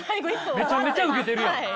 めちゃめちゃウケてるやん。